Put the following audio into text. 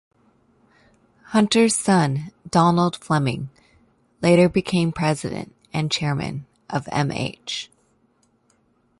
Hunter's son Donald Fleming later became president and chairman of M-H.